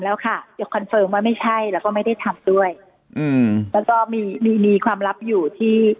แล้วค่ะไม่ใช่แล้วก็ไม่ได้ทำด้วยแล้วก็มีความลับอยู่ที่